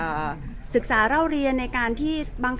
แต่ว่าสามีด้วยคือเราอยู่บ้านเดิมแต่ว่าสามีด้วยคือเราอยู่บ้านเดิม